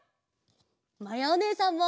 まやおねえさんも！